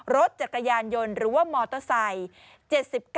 รถจักรยานยนต์หรือว่ามอเตอร์ไซค์๗๙